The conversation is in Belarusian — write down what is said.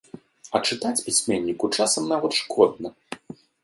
А чытаць пісьменніку часам нават шкодна.